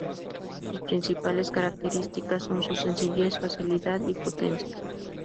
Sus principales características son su sencillez, facilidad y potencia.